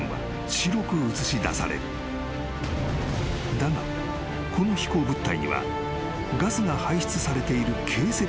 ［だがこの飛行物体にはガスが排出されている形跡がない］